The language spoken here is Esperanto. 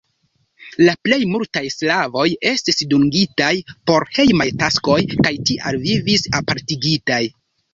La plej multaj sklavoj estis dungitaj por hejmaj taskoj kaj tial vivis apartigitaj.